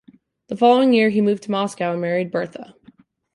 The following year, he moved to Moscow and married Bertha.